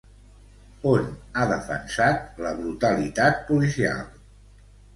On ha defensat la brutalitat policial?